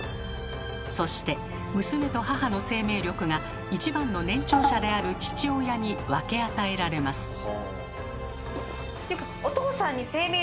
そして娘と母の生命力が一番の年長者である父親に分け与えられます。